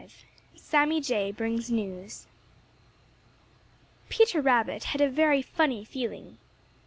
*V* *SAMMY JAY BRINGS NEWS* Peter Rabbit had a very funny feeling.